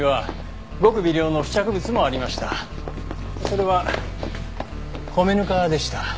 それは米ぬかでした。